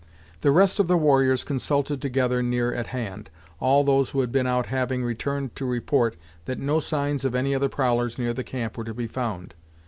The rest of the warriors consulted together, near at hand, all those who had been out having returned to report that no signs of any other prowlers near the camp were to be found.